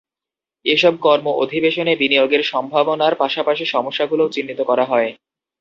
এসব কর্ম অধিবেশনে বিনিয়োগের সম্ভাবনার পাশাপাশি সমস্যাগুলোও চিহ্নিত করা হয়।